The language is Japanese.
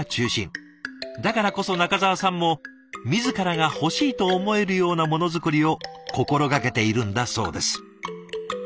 だからこそ仲澤さんも自らが欲しいと思えるようなものづくりを心がけているんだそうです。